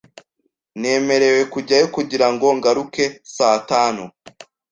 Nemerewe kujyayo kugira ngo ngaruke saa tanu.